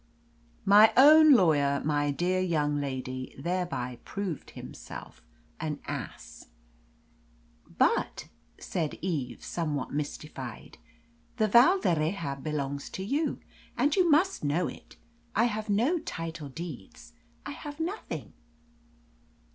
'" "My own lawyer, my dear young lady, thereby proved himself an ass." "But," said Eve, somewhat mystified, "the Val d'Erraha belongs to you, and you must know it. I have no title deeds I have nothing."